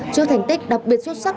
cho thành tích đặc biệt xuất sắc